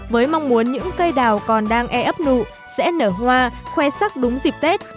với mong muốn những cây đào còn đang e ấp nụ sẽ nở hoa khoe sắc đúng dịp tết